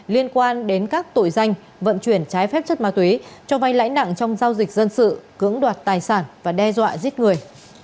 liên quan đến các tội danh vận chuyển trái phép chất ma túy cho vay lãi nặng trong giao dịch dân sự cưỡng đoạt tài sản và đe dọa giết người